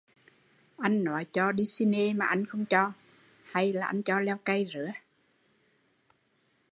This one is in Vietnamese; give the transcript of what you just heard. Anh nói cho đi ciné mà anh không cho, hay anh cho leo cây